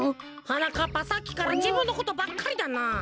はなかっぱさっきからじぶんのことばっかりだな。